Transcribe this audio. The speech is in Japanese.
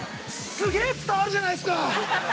すげえ伝わるじゃないですか。